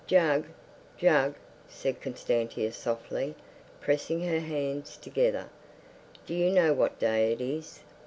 "Jug, Jug," said Constantia softly, pressing her hands together. "Do you know what day it is?